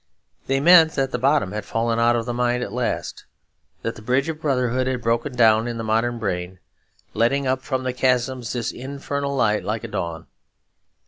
They meant that the bottom had fallen out of the mind at last, that the bridge of brotherhood had broken down in the modern brain, letting up from the chasms this infernal light like a dawn.